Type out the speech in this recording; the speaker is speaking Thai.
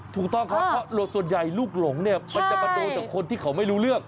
ถูกต้องครับเพราะส่วนใหญ่ลูกหลงเนี่ยมันจะมาโดนกับคนที่เขาไม่รู้เรื่อง